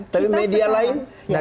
tapi media lain